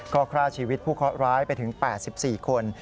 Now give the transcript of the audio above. ก็คร่าชีวิตผู้ครอบคร้ายไปถึง๘๔คน